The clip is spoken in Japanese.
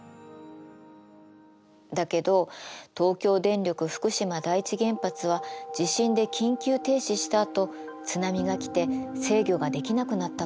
だけど東京電力福島第一原発は地震で緊急停止したあと津波が来て制御ができなくなったの。